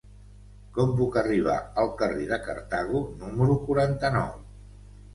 Com puc arribar al carrer de Cartago número quaranta-nou?